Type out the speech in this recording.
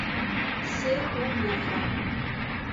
Ser un bufa.